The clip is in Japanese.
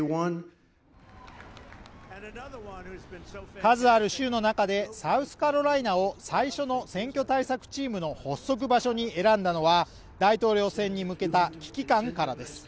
数ある州の中でサウスカロライナを最初の選挙対策チームの発足場所に選んだのは大統領選に向けた危機感からです。